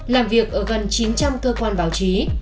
làm việc ở gần chín trăm linh cơ quan báo chí